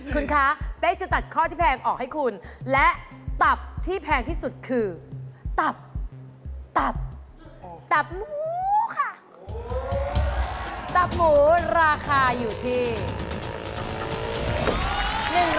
คุณคะเป๊กจะตัดข้อที่แพงออกให้คุณและตับที่แพงที่สุดคือตับตับตับหมูค่ะตับหมูราคาอยู่ที่